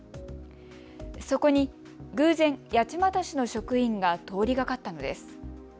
そこに偶然、八街市の職員が通りがかったのです。